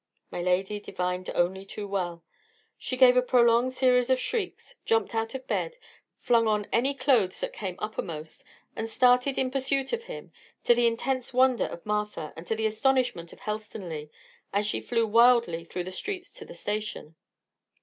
My lady divined only too well. She gave a prolonged series of shrieks, jumped out of bed, flung on any clothes that came uppermost, and started in pursuit of him, to the intense wonder of Martha, and to the astonishment of Helstonleigh, as she flew wildly through the streets to the station.